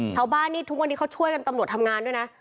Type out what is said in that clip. ชาวบ้านนี่ทุกวันนี้เขาช่วยกันตำรวจทำงานด้วยนะ